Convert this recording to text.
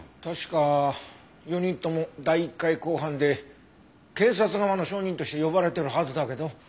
確か４人とも第一回公判で検察側の証人として呼ばれてるはずだけど。